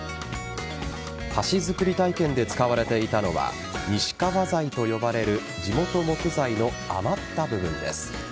箸作り体験で使われていたのは西川材と呼ばれる地元木材の余った部分です。